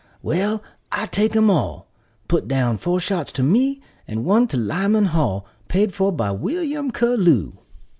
"Well, I take 'em all. Put down four shots to me, and one to Lyman Hall, paid for by William Curlew."